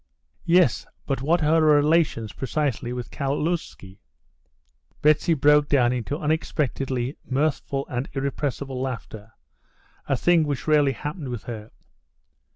"Yes, but what are her relations precisely with Kaluzhsky?" Betsy broke into unexpectedly mirthful and irrepressible laughter, a thing which rarely happened with her.